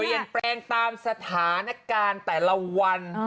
เปลี่ยนแปลงตามสถานการณ์แต่ละวัน